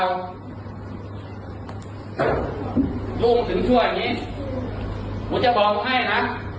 ลูกมึงถึงชั่วอย่างนี้ผมจะบอกมึงให้นะ